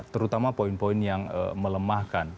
terutama poin poin yang melemahkan